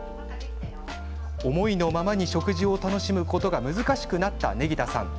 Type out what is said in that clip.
思いのままに食事を楽しむことが難しくなった祢宜田さん。